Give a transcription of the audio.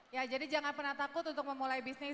ya jadi jangan pernah takut untuk memulai bisnis